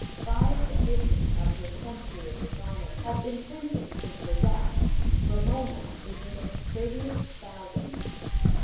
Five editions of her Century of Dishonor have been printed since her death. Ramona is in its thirtieth thousand.